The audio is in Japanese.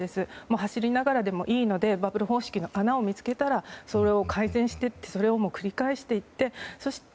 走りながらでもいいのでバブル方式の穴を見つけたらそれを改善してそれを繰り返していってそして